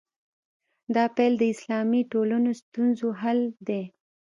دا پیل د اسلامي ټولنو ستونزو حل دی.